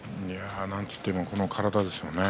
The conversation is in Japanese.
なんといってもこの体ですね。